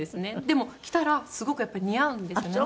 でも着たらすごくやっぱり似合うんですね。